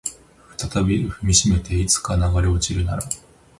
再び踏みしめていつか流れ落ちるなら